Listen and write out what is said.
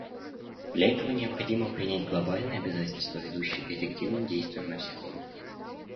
Для этого необходимо принять глобальные обязательства, ведущие к эффективным действиям на всех уровнях.